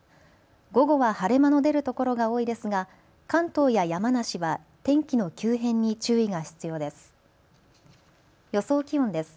午後は晴れ間の出る所が多いですが関東や山梨は天気の急変に注意が必要です。